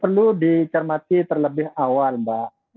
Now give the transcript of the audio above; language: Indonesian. perlu dicermati terlebih awal mbak nadia ya